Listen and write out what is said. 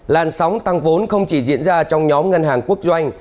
làn sóng tăng vốn không chỉ diễn ra trong nhóm ngân hàng quốc doanh